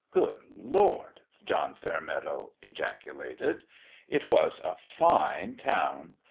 " Good Lord !" John Fairmeadow ejaculated. It was a fine town